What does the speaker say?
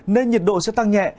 nên nhiệt độ sẽ tăng nhẹ